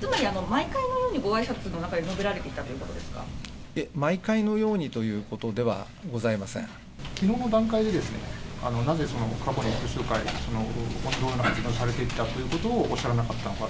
つまり毎回のようにごあいさつの中で述べられていたというこ毎回のようにということではきのうの段階で、なぜその過去に複数回、同様の発言をされていたということをおっしゃらなかったのか？